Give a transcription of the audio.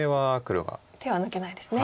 手は抜けないですね。